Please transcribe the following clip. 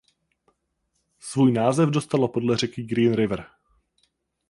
Svůj název dostalo podle řeky Green River.